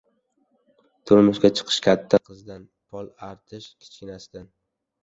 • Turmushga chiqish ― katta qizdan, pol artish ― kichkinasidan.